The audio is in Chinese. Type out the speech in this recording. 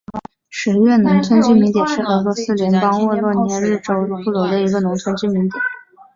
十月农村居民点是俄罗斯联邦沃罗涅日州博布罗夫区所属的一个农村居民点。